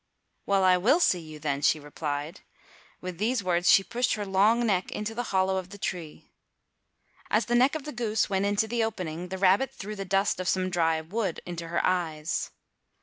"Well, I will see you then," she replied. With these words she pushed her long neck into the hollow of the tree. As the neck of the goose went into the opening the rabbit threw the dust of some dry wood into her eyes.